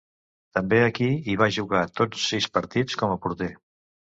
També aquí hi va jugar tots sis partits, com a porter.